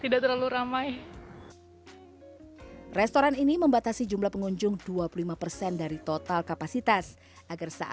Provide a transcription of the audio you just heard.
dan ini bagus untuk saya